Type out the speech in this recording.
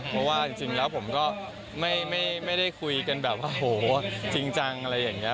เพราะว่าจริงแล้วผมก็ไม่ได้คุยกันแบบว่าโหจริงจังอะไรอย่างนี้